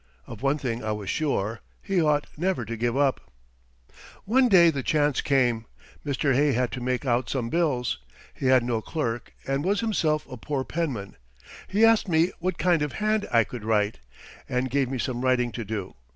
Of one thing I was sure, he ought never to give up. One day the chance came. Mr. Hay had to make out some bills. He had no clerk, and was himself a poor penman. He asked me what kind of hand I could write, and gave me some writing to do.